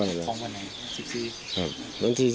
ตอนวันไหน๑๔